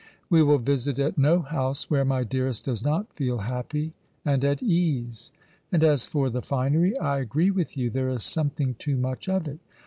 We will visit at no house where my dearest does not feel haiopy and at ease. And as for the finery, I agree with yon, there is something too much of it.